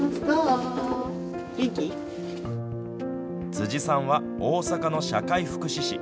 辻さんは、大阪の社会福祉士。